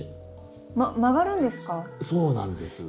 ま曲がるんですか？